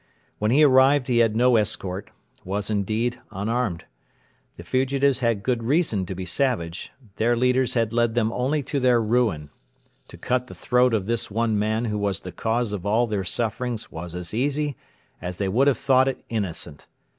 When he arrived he had no escort was, indeed, unarmed. The fugitives had good reason to be savage. Their leaders had led them only to their ruin. To cut the throat of this one man who was the cause of all their sufferings was as easy as they would have thought it innocent.